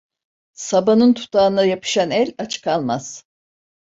Sabanın tutağına yapışan el aç kalmaz.